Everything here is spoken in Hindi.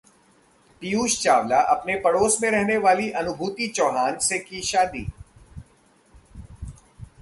पीयूष चावला अपने पड़ोस में रहने वाली अनुभूति चौहान से की शादी